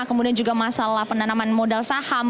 kemudian juga masalah penanaman modal saham